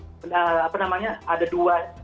orang indonesia itu harus apa namanya ada dua